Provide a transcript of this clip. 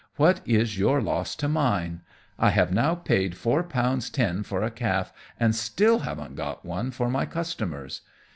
What is your loss to mine? I have now paid four pounds ten for a calf, and still haven't got one for my customers.